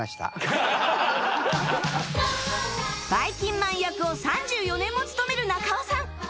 ばいきんまん役を３４年も務める中尾さん